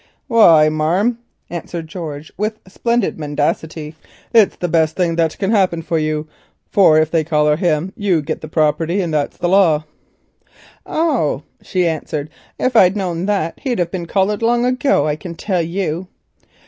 "Why, marm," answered George with splendid mendacity, "it's the best thing that can happen for you, for if they collar him you git the property, and that's law." "Oh," she answered, "if I'd known that he'd have been collared long ago, I can tell you."